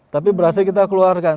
tapi berhasil kita keluarkan